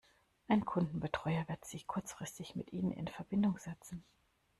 Ein Kundenbetreuer wird sich kurzfristig mit ihnen in Verbindung setzen.